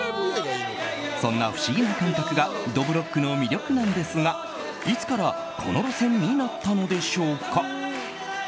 そんな不思議な感覚がどぶろっくの魅力なんですがいつからこの路線になったのでしょうか。